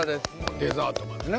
デザートまでね。